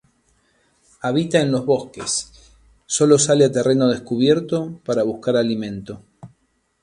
Habita en los bosques, sólo sale a terreno descubierto para buscar alimento.